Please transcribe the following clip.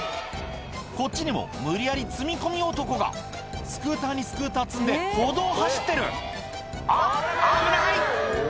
こっちにも無理やり積み込み男がスクーターにスクーター積んで歩道を走ってるあっ危ない！